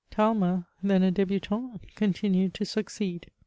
Talma, then a debutant^ continued to succeed.